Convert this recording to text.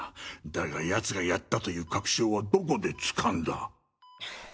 だが奴がやったという確証はどこでつかんだ？